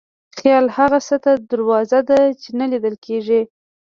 خیال هغه څه ته دروازه ده چې نه لیدل کېږي.